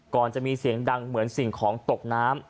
ก่อนจะมีเสียงดังเหมือนสิ่งของตกน้ำ